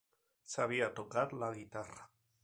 Sabía tocar la guitarra.